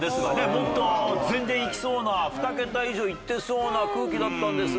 もっと全然いきそうな２桁以上いってそうな空気だったんですが。